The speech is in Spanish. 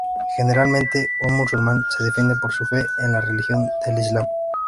Generalmente, un musulmán se define por su fe en la religión del Islam.